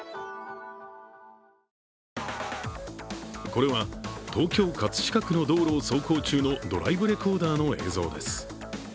これは東京・葛飾区の道路を走行中のドライブレコーダーの映像です。